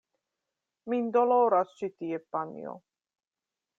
Min doloras ĉi tie, panjo!